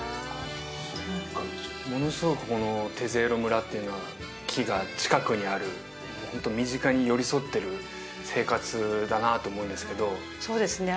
ものすごくこのテーゼロ村っていうのは木が近くにあるホント身近に寄り添ってる生活だなと思うんですけどそうですね